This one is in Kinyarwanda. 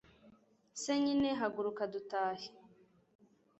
se nyine haguruka dutahe